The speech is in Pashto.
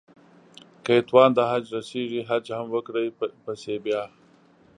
که يې توان د حج رسېږي حج هم وکړي پسې بيا